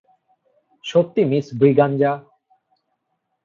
সত্যি মিস ব্রিগাঞ্জা?